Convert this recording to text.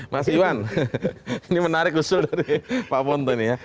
mas iwan ini menarik usul dari pak ponto ini ya